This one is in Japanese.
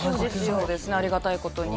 そうですねありがたい事に。